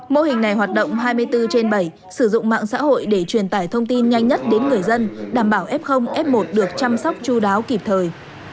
mô hình này hoạt động hai mươi bốn trên bảy sử dụng mạng xã hội để truyền tải thông tin nhanh nhất đến người dân đảm bảo f f một được chăm sóc chú đáo kịp thời